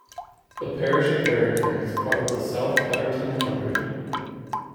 The parish of Barrington was part of the South Petherton Hundred.